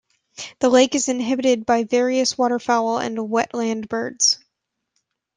The lake is inhabited by various waterfowl and wetland birds.